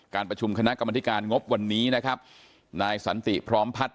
การประชุมคณะกรรมธิการงบวันนี้นะครับนายสันติพร้อมพัฒน